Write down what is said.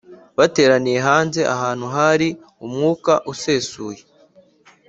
bateraniye hanze ahantu hari umwuka usesuye